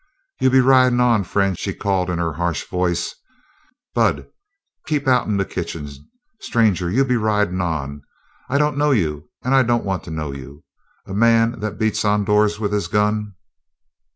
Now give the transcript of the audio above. "You be ridin' on, friend," she called in her harsh voice. "Bud, keep out'n the kitchen. Stranger, you be ridin' on. I don't know you and I don't want to know you. A man that beats on doors with his gun!"